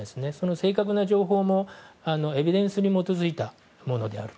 正確な情報もエビデンスに基づいたものであると。